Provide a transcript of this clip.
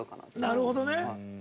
なるほどね！